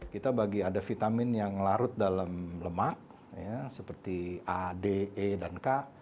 kita bagi ada vitamin yang larut dalam lemak seperti ad e dan k